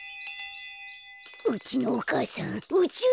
うちのお母さんうちゅう